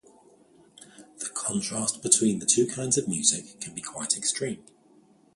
The contrast between the two kinds of music can be quite extreme.